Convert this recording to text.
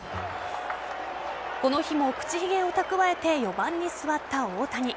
この日も口ひげをたくわえて４番に座った大谷。